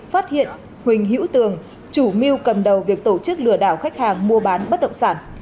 phát hiện huỳnh hữu tường chủ mưu cầm đầu việc tổ chức lừa đảo khách hàng mua bán bất động sản